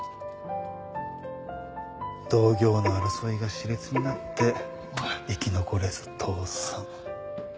同業の争いが熾烈になって生き残れず倒産。